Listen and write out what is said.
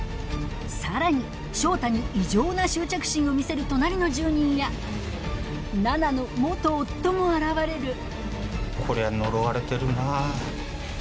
さらに翔太に異常な執着心を見せる隣の住人や菜奈の夫も現れるこりゃ呪われてるなぁ。